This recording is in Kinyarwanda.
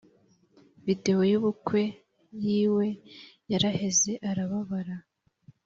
Videwo yubukwe yiwe yaraheze arababara